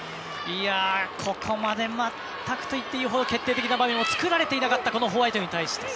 ここまで全くといっていいほど決定的な場面を作られていなかったホワイトに対して。